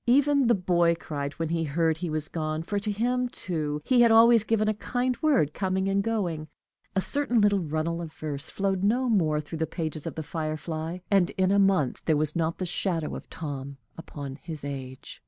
Even the boy cried when he heard he was gone, for to him too he had always given a kind word, coming and going. A certain little runnel of verse flowed no more through the pages of "The Firefly," and in a month there was not the shadow of Tom upon his age.